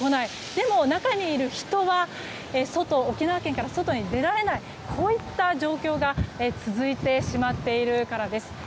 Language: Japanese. でも中にいる人は沖縄県から外に出られないこういった状況が続いてしまっているからです。